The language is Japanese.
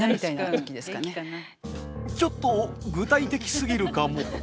ちょっと具体的すぎるかも。